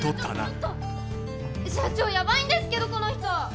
社長ヤバいんですけどこの人！